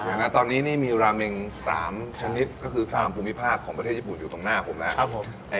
นะตอนนี้นี่มีราเมง๓ชนิดก็คือ๓ภูมิภาคของประเทศญี่ปุ่นอยู่ตรงหน้าผมแล้ว